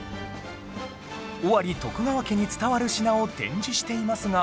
尾張徳川家に伝わる品を展示していますが